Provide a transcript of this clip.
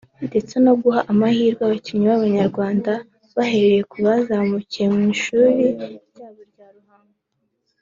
ndetse no guha amahirwe abakinnyi b’abanyarwanda bahereye ku bazamukiye mu ishuri ryabo rya ruhago